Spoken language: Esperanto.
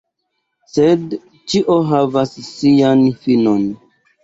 Sed ĉio havas sian finon.